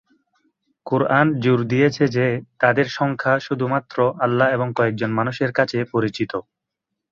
কোরান জোর দিয়েছে যে, তাদের সংখ্যা শুধুমাত্র আল্লাহ্ এবং কয়েকজন মানুষের কাছে পরিচিত।